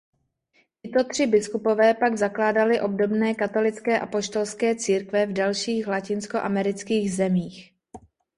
Tito tři biskupové pak zakládali obdobné katolické apoštolské církve v dalších latinskoamerických zemích.